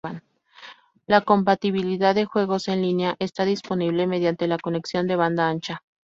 La compatibilidad de juegos en línea está disponible mediante la conexión de banda ancha.